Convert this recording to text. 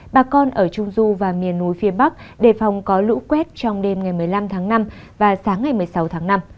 bà con ở trung du và miền núi phía bắc đề phòng có lũ quét trong đêm ngày một mươi năm tháng năm và sáng ngày một mươi sáu tháng năm